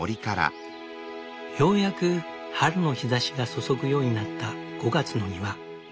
ようやく春の日ざしが注ぐようになった５月の庭。